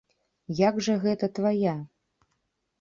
Як жа гэта твая?